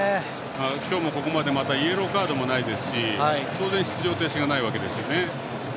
今日もここまでまだイエローカードもないですし当然、出場停止がないわけですね。